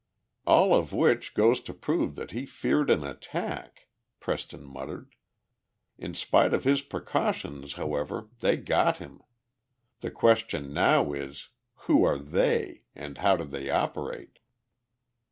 "All of which goes to prove that he feared an attack," Preston muttered. "In spite of his precautions, however, they got him! The question now is: Who are 'they' and how did they operate?"